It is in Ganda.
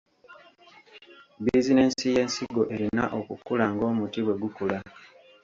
Bizinensi y’ensigo erina okukula ng’omuti bwe gukula.